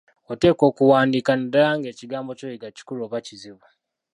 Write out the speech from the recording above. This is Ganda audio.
Oteekwa okuwandiika, naddala ng'ekigambo ky'oyiga kikulu oba kizibu.